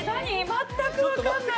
全く分からない。